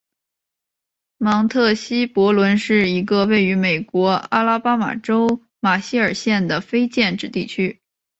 芒特希伯伦是一个位于美国阿拉巴马州马歇尔县的非建制地区。